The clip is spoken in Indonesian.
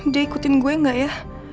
dia ikutin gue gak ya